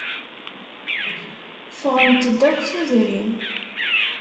Ffɣent-d akk tudrin.